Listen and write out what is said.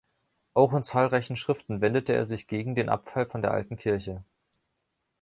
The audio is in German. Auch in zahlreichen Schriften wendete er sich gegen den Abfall von der alten Kirche.